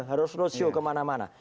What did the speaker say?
harus roadshow kemana mana